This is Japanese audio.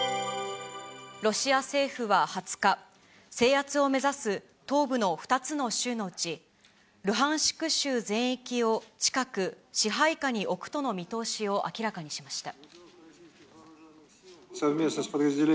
ロシア政府は２０日、制圧を目指す東部の２つの州のうち、ルハンシク州全域を近く、支配下に置くとの見通しを明らかにしました。